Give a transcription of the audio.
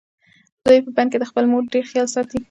زوی یې په بن کې د خپلې مور ډېر خیال ساتي.